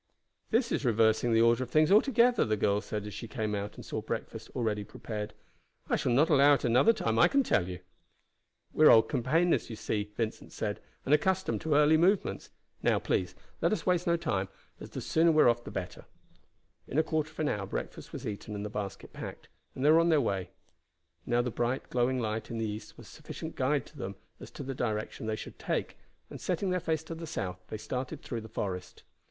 "This is reversing the order of things altogether," the girl said as she came out and saw breakfast already prepared. "I shall not allow it another time, I can tell you." "We are old campaigners, you see," Vincent said, "and accustomed to early movements. Now please let us waste no time, as the sooner we are off the better." In a quarter of an hour breakfast was eaten and the basket packed, and they were on their way. Now the bright, glowing light in the east was sufficient guide to them as to the direction they should take, and setting their face to the south they started through the forest.